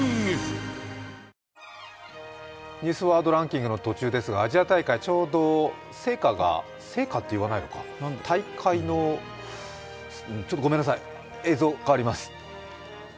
「ニュースワードランキング」の途中ですが、アジア大会がちょうど聖火っていわないのか、大会のちょっとごめんなさい、映像があります。